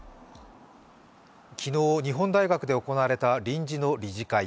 昨日、日本大学で行われた臨時の理事会。